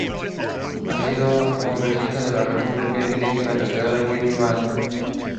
People from different places gather at the Chul fair till noon.